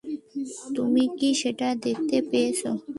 তুমি কি সেটা দেখতে পেয়েছো?